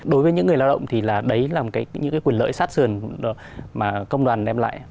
đối với những người lao động đấy là một quyền lợi sát sườn mà công đoàn đem lại